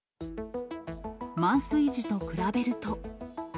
満水時と比べると。